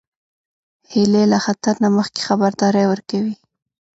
هیلۍ له خطر نه مخکې خبرداری ورکوي